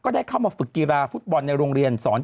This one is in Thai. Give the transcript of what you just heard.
ได้เข้ามาฝึกกีฬาฟุตบอลในโรงเรียนสอน